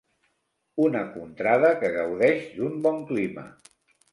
Una contrada que gaudeix d'un bon clima.